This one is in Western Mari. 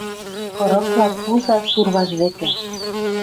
Кырыкла куза Сурваж вӹкӹ